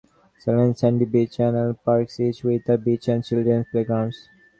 Claystone, Sandy Beach, and Arrowhead Parks, each with a beach, and children's playgrounds.